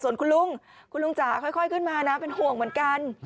ส่วนคุณลุงคุณลุงจ๋าค่อยขึ้นมานะเป็นห่วงเหมือนกัน